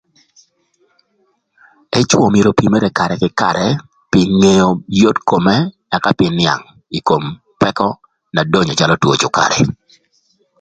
Ëcwö myero öpïmërë karë kï karë pï ngeo yot kome ëka kï nïang ï kom peko na donyo calö two cukarï.